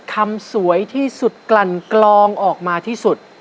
สวยที่สุดกลั่นกลองออกมาที่สุด